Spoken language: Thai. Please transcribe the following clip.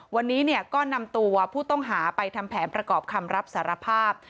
วันนี้ก็นำตัวผู้ต้องหาไปทำแผนประกอบคำรับสารภาพ